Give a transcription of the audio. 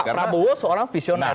pak prabowo seorang visioner